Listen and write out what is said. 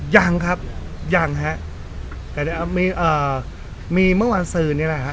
ยังครับยังฮะแต่มีเอ่อมีเมื่อวานซื้อนี่แหละฮะ